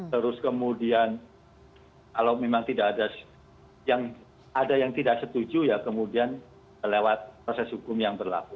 terus kemudian kalau memang tidak ada yang tidak setuju ya kemudian lewat proses hukum yang berlaku